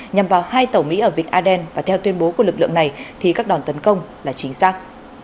nhằm vào hai tàu mỹ ở vịnh aden và theo tuyên bố của lực lượng này thì các đòn tấn công là chính xác